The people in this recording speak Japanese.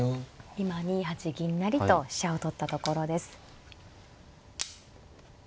今２八銀成と飛車を取ったところです。